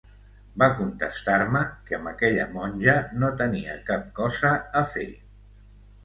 Va contestar-me que amb aquella monja no tenia cap cosa a fer.